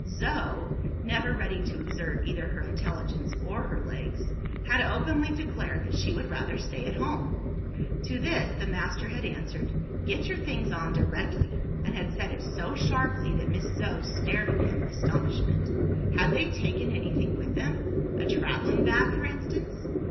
Zo (never ready to exert either her intelligence or her legs) had openly declared that she would rather stay at home. To this the master had answered, "Get your things on directly!" and had said it so sharply that Miss Zoe stared at him in astonishment. Had they taken anything with them a travelling bag for instance?